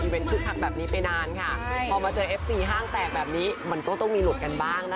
ก็กดไปลองเถิดแม่ง